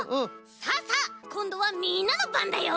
さあさあこんどはみんなのばんだよ！